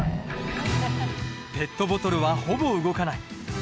ペットボトルはほぼ動かない。